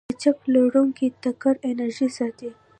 لچک لرونکی ټکر انرژي ساتي.